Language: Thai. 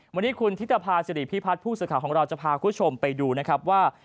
วันนี้คุณธิตภาษิริพิพัฒน์ผู้สื่อข่าวของเราจะพาคุณผู้ชมไปดูนะครับว่า